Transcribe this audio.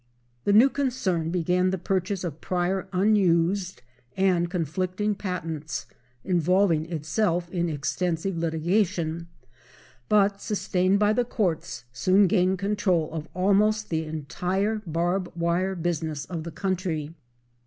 The new concern began the purchase of prior unused and conflicting patents involving itself in extensive litigation, but, sustained by the courts, soon gained control of almost the entire barb wire business of the country.